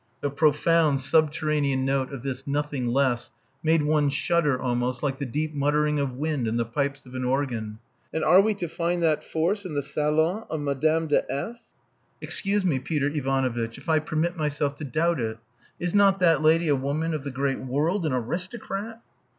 The profound, subterranean note of this "nothing less" made one shudder, almost, like the deep muttering of wind in the pipes of an organ. "And are we to find that force in the salon of Madame de S ? Excuse me, Peter Ivanovitch, if I permit myself to doubt it. Is not that lady a woman of the great world, an aristocrat?"